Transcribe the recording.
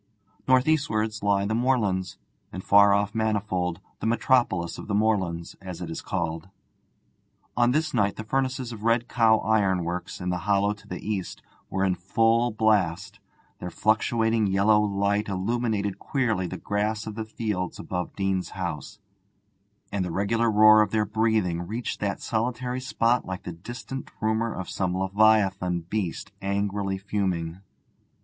North eastwards lie the moorlands, and far off Manifold, the 'metropolis of the moorlands,' as it is called. On this night the furnaces of Red Cow Ironworks, in the hollow to the east, were in full blast; their fluctuating yellow light illuminated queerly the grass of the fields above Deane's house, and the regular roar of their breathing reached that solitary spot like the distant rumour of some leviathan beast angrily fuming.